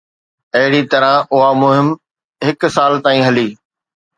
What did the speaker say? اهڙي طرح اها مهم هڪ سال تائين هلي.